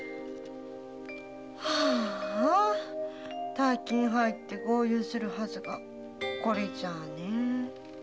ああ大金入って豪遊するはずがこれじゃねえ。